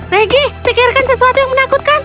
maggie pikirkan sesuatu yang menakutkan